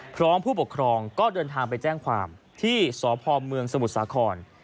ผู้ปกครองก็เดินทางไปแจ้งความที่สพเมืองสมุทรสาคร